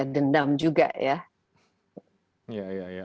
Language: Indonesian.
dendam juga ya